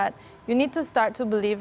untuk mencapai tujuan yang besar